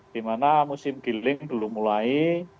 dimana musim giling dulu mulai